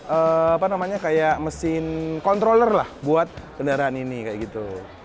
apa namanya kayak mesin controller lah buat kendaraan ini kayak gitu